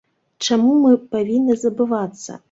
Чаму мы павінны забывацца?